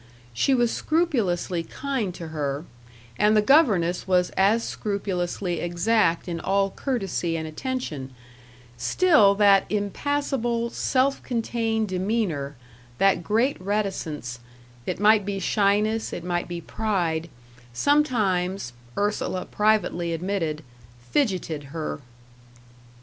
She was scrupulously kind to her; and the governess was as scrupulously exact in all courtesy and attention; still that impassible, self contained demeanour, that great reticence it might be shyness, it might be pride sometimes, Ursula privately admitted, "fidgeted" her.